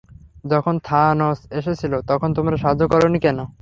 যখন থানোস এসেছিল তখন তোমরা সাহায্য করোনি কেন?